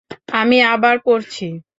আমি আবার পড়ছি।